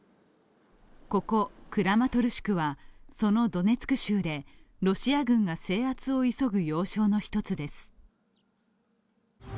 ここクラマトルシクはそのドネツク州でロシア軍が制圧を急ぐ要衝の一つです。